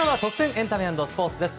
エンタメ＆スポーツです。